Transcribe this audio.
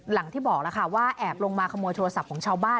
อย่างที่บอกแล้วค่ะว่าแอบลงมาขโมยโทรศัพท์ของชาวบ้าน